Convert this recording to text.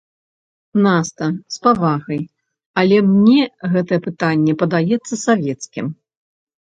Наста, з павагай, але мне гэтае пытанне падаецца савецкім.